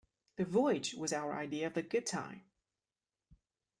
The voyage was our idea of a good time.